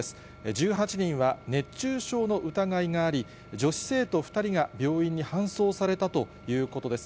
１８人は熱中症の疑いがあり、女子生徒２人が病院に搬送されたということです。